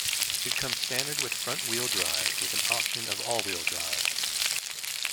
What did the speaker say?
It comes standard with front-wheel drive with an option of all-wheel drive.